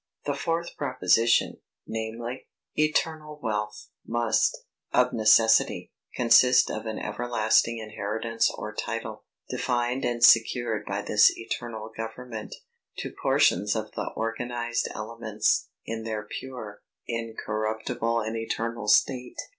The fourth proposition, viz. Eternal Wealth, must, of necessity, consist of an everlasting inheritance or title, defined and secured by this eternal government, to portions of the organized elements, in their pure, incorruptible and eternal state.